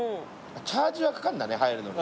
チャージはかかるんだね入るのに。